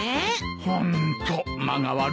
ホント間が悪いな。